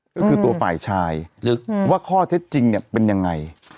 ก็คือตัวฝ่ายชายว่าข้อเท็จจริงเนี่ยเป็นยังไง